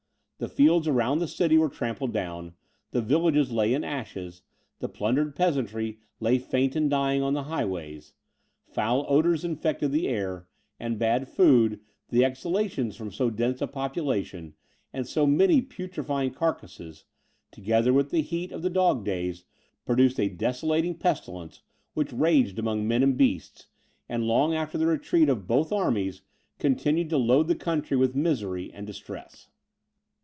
The fields around the city were trampled down, the villages lay in ashes, the plundered peasantry lay faint and dying on the highways; foul odours infected the air, and bad food, the exhalations from so dense a population, and so many putrifying carcasses, together with the heat of the dog days, produced a desolating pestilence which raged among men and beasts, and long after the retreat of both armies, continued to load the country with misery and distress.